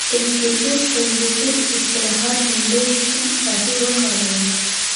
ابجګټف کورلیټف اصطلاح لومړی شپون صاحب وکاروله.